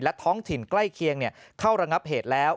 และท้องถิ่นใกล้เคียงเข้าระงับเหตุแล้ว